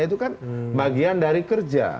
itu kan bagian dari kerja